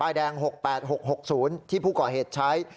แดง๖๘๖๖๐ที่ผู้ก่อเหตุใช้